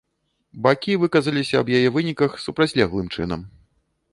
Бакі выказаліся аб яе выніках супрацьлеглым чынам.